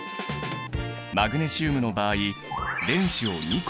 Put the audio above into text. マグネシウムの場合電子を２個失う。